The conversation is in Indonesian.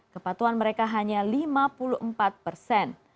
kepatuan mereka hanya lima puluh empat persen